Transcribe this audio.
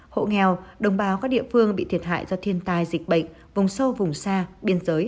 hộ nghèo đồng bào các địa phương bị thiệt hại do thiên tai dịch bệnh vùng sâu vùng xa biên giới